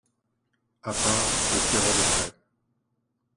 À part, le flairant de près.